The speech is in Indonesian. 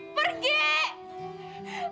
pergi kamu dari sini